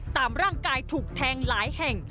ตามร่างกายถูกแทงหลายแห่ง